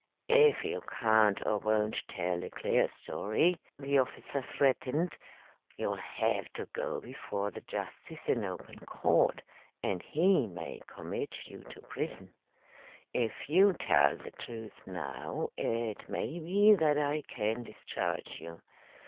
"If you can't or won't tell a clear story," the officer threatened, "you'll have to go before the justice in open court, and he may commit you to prison. If you'll tell the truth now, it may be that I can discharge you.